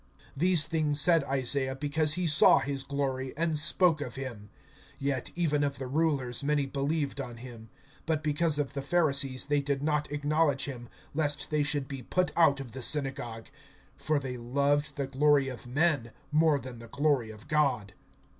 (41)These things said Isaiah, because he saw his glory, and spoke of him. (42)Yet, even of the rulers many believed on him; but because of the Pharisees they did not acknowledge him, lest they should be put out of the synagogue; (43)for they loved the glory of men more than the glory of God.